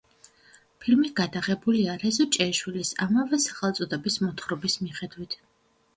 ფილმი გადაღებულია რეზო ჭეიშვილის ამავე სახელწოდების მოთხრობის მიხედვით.